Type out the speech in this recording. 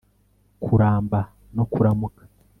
kuramba no kuramuka